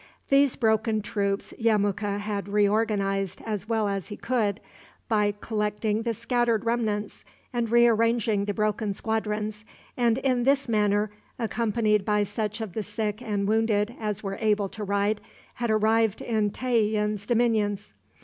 These broken troops Yemuka had reorganized, as well as he could, by collecting the scattered remnants and rearranging the broken squadrons, and in this manner, accompanied by such of the sick and wounded as were able to ride, had arrived in Tayian's dominions.